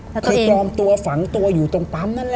เคยปลอมตัวฝังตัวอยู่ตรงปั๊มนั่นแหละ